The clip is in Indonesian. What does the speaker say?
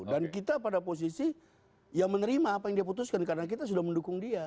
dan kita pada posisi yang menerima apa yang diputuskan karena kita sudah mendukung dia